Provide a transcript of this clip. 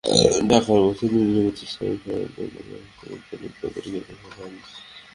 টাকার বস্তা নিয়ে নেমেছেন সাইফ পাওয়ারটেকের ব্যবস্থাপনা পরিচালক তরফদার রুহুল আমিন।